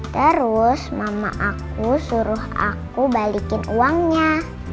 terus mama aku suruh aku balikin uangnya